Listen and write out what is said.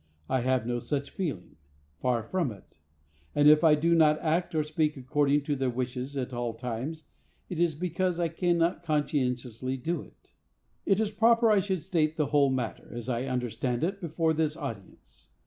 I have no such feeling; far from it. And if I do not act or speak according to their wishes at all times, it is because I cannot conscientiously do it. "It is proper I should state the whole matter, as I understand it, before this audience.